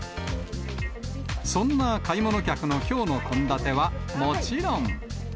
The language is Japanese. そんな買い物客のきょうの献立はもちろん。